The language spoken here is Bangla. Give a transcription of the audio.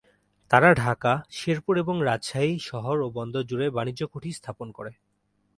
তারা ঢাকা, শেরপুর এবং রাজশাহী শহর ও বন্দর জুড়ে বাণিজ্য কুঠি স্থাপন করে।